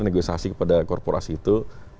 negosiasi kepada korporasi itu